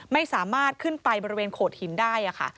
ไม่สามารถขึ้นไปบริเวณโขดหินได้ค่ะ